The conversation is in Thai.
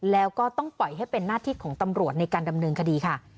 แล้วก็ต้องปล่อยให้เป็นหน้าที่ของตำรวจในการดำเนินคดีค่ะ